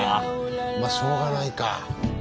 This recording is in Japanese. まあしょうがないか。